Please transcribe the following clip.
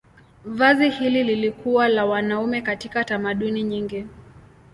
Vazi hili lilikuwa la wanaume katika tamaduni nyingi.